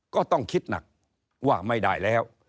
ก็ต้องคิดหนักว่าไม่ได้แล้ว